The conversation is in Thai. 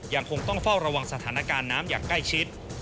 ยังคงต้องเฝ้าระวังสถานการณ์น้ำอย่างใกล้ชิด